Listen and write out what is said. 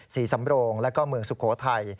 ศรีสำโรงแล้วก็เมืองสุโขทัย